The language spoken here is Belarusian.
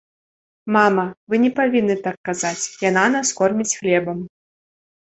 Мама, вы не павінны так казаць, яна нас корміць хлебам.